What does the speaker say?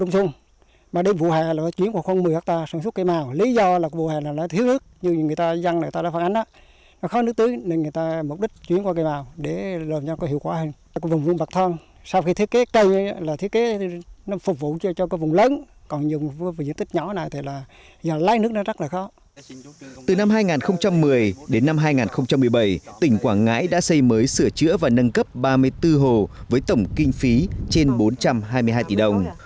từ năm hai nghìn một mươi đến năm hai nghìn một mươi bảy tỉnh quảng ngãi đã xây mới sửa chữa và nâng cấp ba mươi bốn hồ với tổng kinh phí trên bốn trăm hai mươi hai tỷ đồng